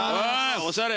おしゃれ。